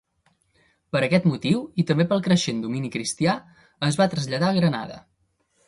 Per aquest motiu, i també pel creixent domini cristià, es va traslladar a Granada.